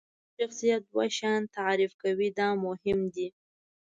ستاسو شخصیت دوه شیان تعریف کوي دا مهم دي.